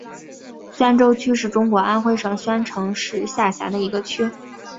宣州区是中国安徽省宣城市下辖的一个区。